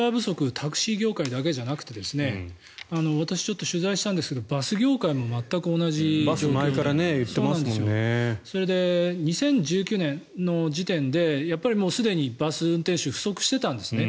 タクシー業界だけじゃなくて私、ちょっと取材したんですがバス業界も全く同じで２０１９年の時点でもうすでにバス運転手不足していたんですね。